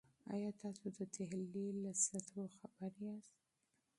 آیا تاسو د تحلیل له سطحو خبر یاست؟